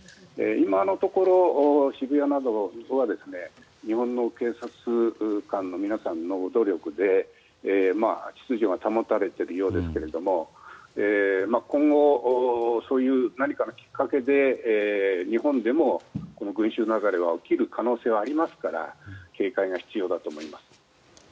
今のところ、渋谷などでは日本の警察官の皆さんの努力で秩序が保たれているようですが今後、何かのきっかけで日本でも群衆雪崩が起きる可能性はありますから警戒が必要だと思います。